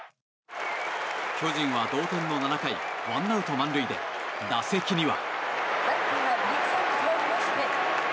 巨人は同点の７回１アウト満塁で、打席には。